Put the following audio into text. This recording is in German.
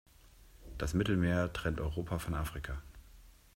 Das Mittelmeer trennt Europa von Afrika.